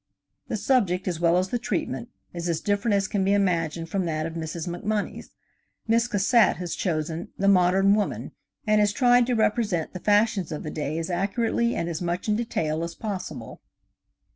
The subject, as well as the treatment, is as different as can be imagined from that of Mrs MacMonnies. Miss Cassatt has chosen "The Modern Woman," and has tried to represent the fashions of the day as accurately and as much in detail as possible.